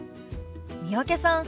三宅さん